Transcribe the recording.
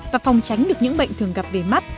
và phòng tránh được những bệnh thường gặp về mắt